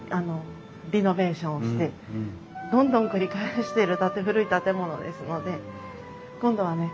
リノベーションをしてどんどん繰り返してる古い建物ですので今度はね